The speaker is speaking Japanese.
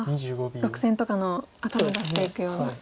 ６線とかの頭を出していくような。